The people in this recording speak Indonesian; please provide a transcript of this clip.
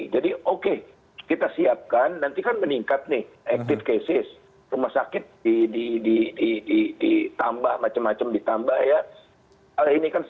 jadi oke kita siapkan nanti kan meningkat nih active cases rumah sakit ditambah macem macem ditambah ya